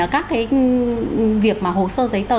các cái việc mà hồ sơ giấy tờ